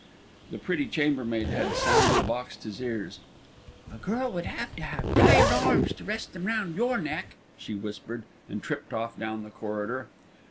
The pretty chambermaid had soundly boxed his ears. "A girl would have to have tired arms to rest them round your neck," she whispered, and tripped off down the corridor.